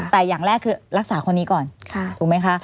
แต่อย่างแรกคือรักษาคนนี้ก่อนถูกไหมคะ